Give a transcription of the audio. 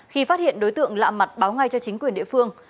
khi phát hiện đối tượng lạ mặt báo ngay cho chính quyền địa phương